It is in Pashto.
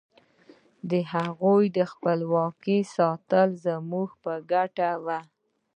د هغوی د خپلواکۍ ساتل زموږ په ګټه وو.